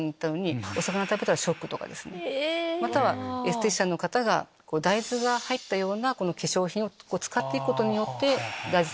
またはエステティシャンの方が大豆が入ったような化粧品を使っていくことによって。